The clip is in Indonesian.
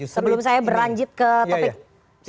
sebelum saya berlanjut ke topik